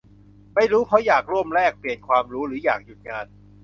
ไม่รู้เพราะอยากร่วมแลกเปลี่ยนความรู้ หรืออยากหยุดงาน